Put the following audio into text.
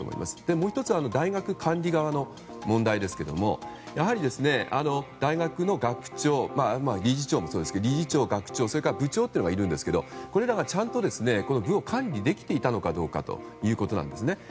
もう１つ、大学管理側の問題ですけれどもやはり大学の学長理事長もそうですがそれから部長というのがいるんですがこれらがちゃんと部を管理できていたのかどうかということなんですね。